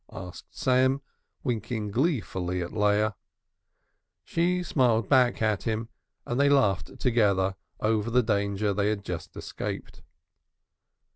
asked Sam, winking gleefully at Leah. She smiled back at him and they laughed together over the danger they had just escaped.